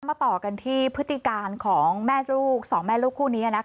ต่อกันที่พฤติการของแม่ลูกสองแม่ลูกคู่นี้